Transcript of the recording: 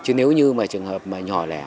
chứ nếu như trường hợp nhỏ lẻ